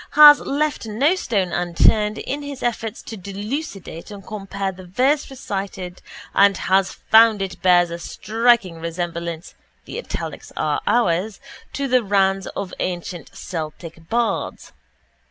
has left no stone unturned in his efforts to delucidate and compare the verse recited and has found it bears a striking resemblance (the italics are ours) to the ranns of ancient Celtic bards.